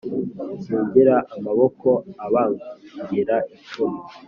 Singira amaboko abangira icumu